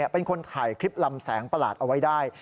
เป็นคนถ่ายคลิปลำแสงประหลาดเอาไว้ได้